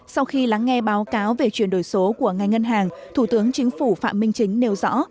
sau khi lắng nghe báo cáo về chuyển đổi số của ngành ngân hàng thủ tướng chính phủ phạm minh chính nêu rõ